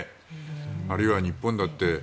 あるいは日本だって。